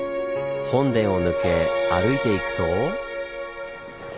本殿を抜け歩いていくと。